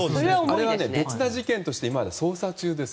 あれは別の事件として捜査中です。